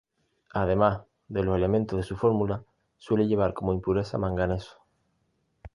Además de los elementos de su fórmula, suele llevar como impureza manganeso.